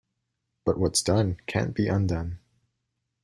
But what's done can't be undone.